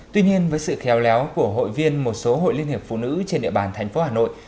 tuy nhiên với sự khéo léo của hội viên một số hội liên hiệp phụ nữ trên địa bàn thành phố hà nội